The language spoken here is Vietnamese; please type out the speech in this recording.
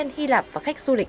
người dân hy lạp và khách du lịch